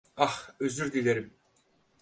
Ah, özür dilerim.